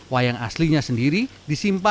wayang aslinya sendiri disimpan dan disimpan